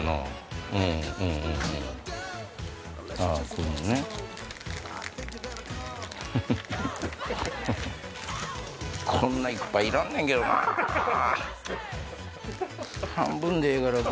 こんないっぱいいらんねんけどなぁ。